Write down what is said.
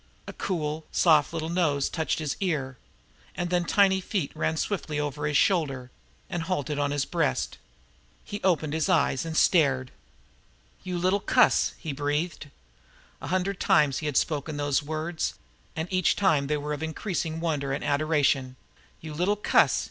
A cool, soft little nose touched his ear, and then tiny feet ran swiftly over his shoulder, and halted on his breast. He opened his eyes, and stared. "You little cuss!" he breathed. A hundred times he had spoken those words, and each time they were of increasing wonder and adoration. "You little cuss!"